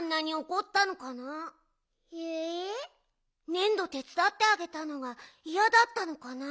ねんどてつだってあげたのがいやだったのかな？